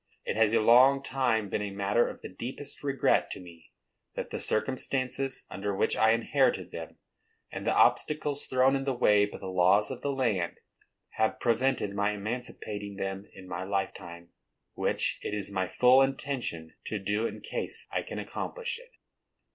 _ It has a long time been a matter of the deepest regret to me, that the circumstances under which I inherited them, and the obstacles thrown in the way by the laws of the land, have prevented my emancipating them in my lifetime, which it is my full intention to do in case I can accomplish it.